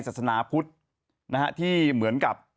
ศาลกุฏที่เหมือนกับ